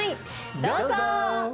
どうぞ！